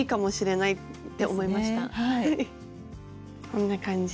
こんな感じ。